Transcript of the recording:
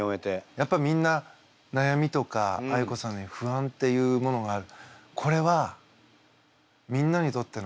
やっぱみんななやみとかあいこさんのように不安っていうものがある。